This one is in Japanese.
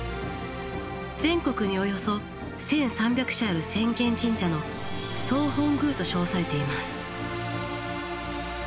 全国におよそ１，３００社ある浅間神社の総本宮と称されています。